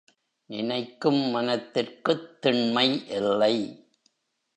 நினைக்கும் மனத்திற்குத் திண்மை இல்லை.